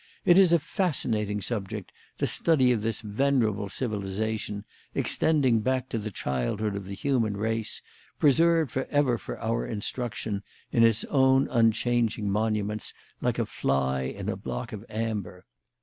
"It is a fascinating subject, the study of this venerable civilisation, extending back to the childhood of the human race, preserved for ever for our instruction in its own unchanging monuments like a fly in a block of amber.